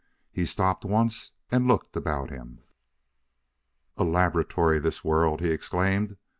He stopped once and looked about him. "A laboratory this world!" he exclaimed.